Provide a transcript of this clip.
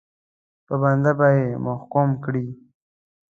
په بند به یې محکوم کړي.